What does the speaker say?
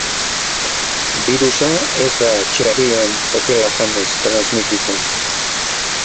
Birusa ez da txerrien okela janez transmititzen.